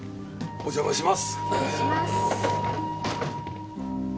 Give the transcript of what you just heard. お邪魔します。